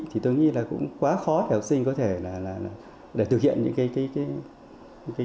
thì tôi nghĩ là cũng quá khó để học sinh có thể là để thực hiện những cái